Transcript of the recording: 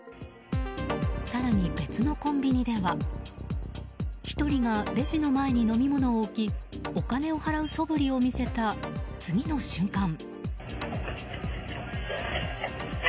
更に別のコンビニでは１人がレジの前に飲み物を置きお金を払うそぶりを見せた次の瞬間。